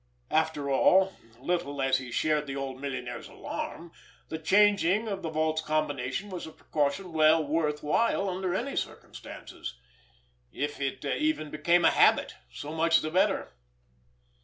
After all, little as he shared the old millionaire's alarm, the changing of the vault's combination was a precaution well worth while under any circumstances. If it even became a habit, so much the better!